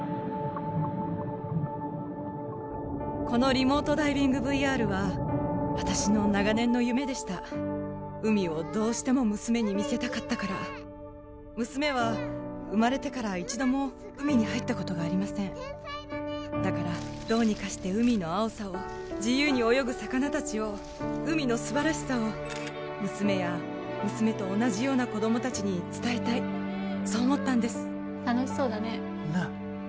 このリモートダイビングＶＲは私の長年の夢でした海をどうしても娘に見せたかったから娘は生まれてから一度も海に入ったことがありませんだからどうにかして海の青さを自由に泳ぐ魚たちを海の素晴らしさを娘や娘と同じような子供たちに伝えたいそう思ったんです楽しそうだねなあ